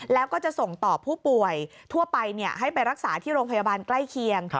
แล้วก็จะส่งต่อผู้ป่วยทั่วไปให้ไปรักษาที่โรงพยาบาลใกล้เคียง